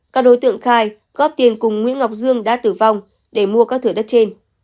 các đối tượng khai góp tiền cùng nguyễn ngọc dương đã tử vong để mua các thửa đất trên